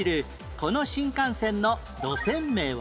この新幹線の路線名は？